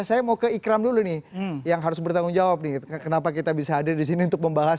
saya mau ke ikram dulu nih yang harus bertanggung jawab nih kenapa kita bisa hadir di sini untuk membahas